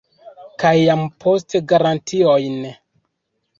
Kaj jam poste garantiojn.